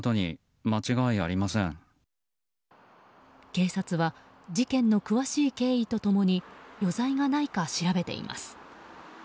警察は事件の詳しい経緯と共に余罪がないか調べています。